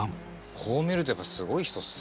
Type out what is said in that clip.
こう見るとやっぱすごい人っすね。